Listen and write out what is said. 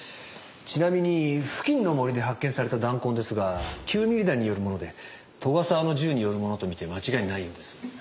ちなみに付近の森で発見された弾痕ですが９ミリ弾によるもので斗ヶ沢の銃によるものと見て間違いないようです。